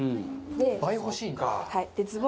倍欲しいか。